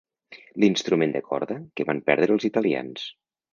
L'instrument de corda que van perdre els italians.